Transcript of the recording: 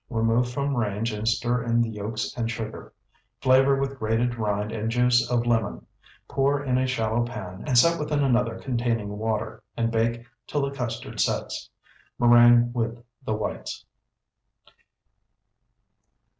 Remove from range and stir in the yolks and sugar. Flavor with grated rind and juice of lemon. Pour in a shallow pan, and set within another containing water, and bake till the custard sets. Meringue with the whites.